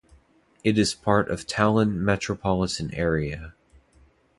It is part of Tallinn metropolitan area.